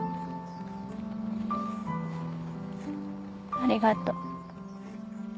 ありがと。